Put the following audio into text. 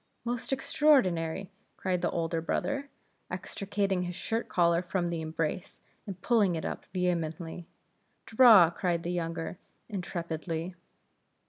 "Most extraordinary!" cried the elder brother, extricating his shirt collar from the embrace, and pulling it up vehemently. "Draw!" cried the younger, intrepidly.